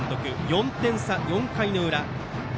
４点差、４回裏。